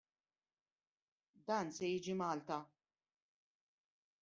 Dan se jiġi Malta!